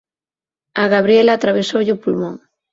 A Gabriel atravesoulle o pulmón.